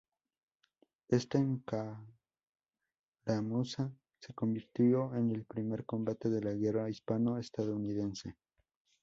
Esta escaramuza se convirtió en el primer combate de la guerra hispano-estadounidense.